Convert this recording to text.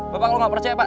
bapak kalo gak percaya pak